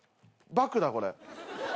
バクだこれ。